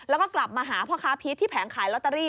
แล้วก็กลับมาหาพ่อค้าพีชที่แผงขายลอตเตอรี่